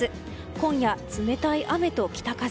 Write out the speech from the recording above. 今夜、冷たい雨と北風。